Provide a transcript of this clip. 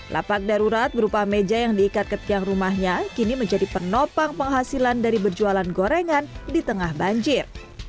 lapak darurat berupa meja yang diikat ke tiang rumahnya kini menjadi penopang penghasilan dari berjualan gorengan di tengah banjir